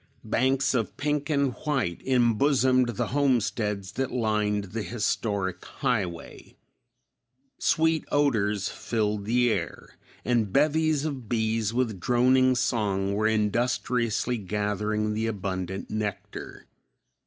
Banks of pink and white embosomed the homesteads that lined the historic highway; sweet odors filled the air, and bevies of bees with droning song were industriously gathering the abundant nectar.